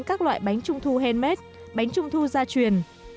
các loại bánh trung thu handmade bánh trung thu gia truyền